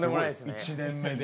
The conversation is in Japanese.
１年目で。